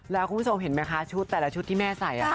แล้วคุณผู้ชมเห็นไหมคะชุดแต่ละชุดที่แม่ใส่